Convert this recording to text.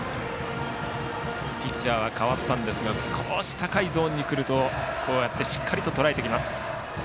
ピッチャーは代わったんですが少し高いゾーンに来るとこうやってしっかりとらえてきます。